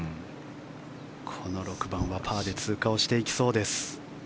この６番はパーで通過していきそうです。